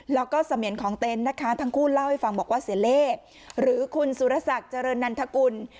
แล้วก็เสมียนของเต็นต์นะคะทั้งคู่เล่าให้ฟังบอกว่าเสียเล่หรือคุณสุรศักดิ์เจริญนันทกุล